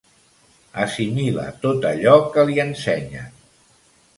Assimila tot allò que li ensenyen.